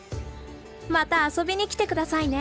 また遊びに来て下さいね。